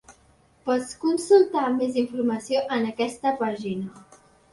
Pots consultar més informació en aquesta pàgina.